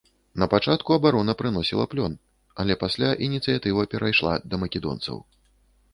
На пачатку абарона прыносіла плён, але пасля ініцыятыва перайшла да македонцаў.